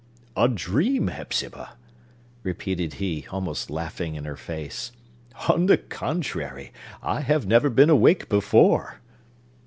"A dream, Hepzibah!" repeated he, almost laughing in her face. "On the contrary, I have never been awake before!"